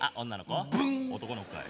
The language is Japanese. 男の子かい。